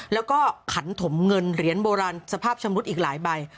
แล้วก็ขันถมเงินเหรียญโบราณสภาพชำรุดอีกหลายใบ